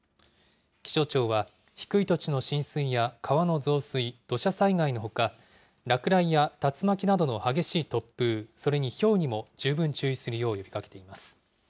気象庁は、低い土地の浸水や川の増水、土砂災害のほか、落雷や竜巻などの激しい突風、それにひょうにも十分注意するよう呼びかけています。